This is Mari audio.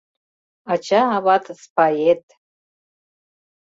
Ача-ават спает